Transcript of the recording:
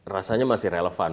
rasanya masih relevan